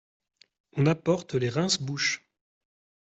On apporte les rince-bouche.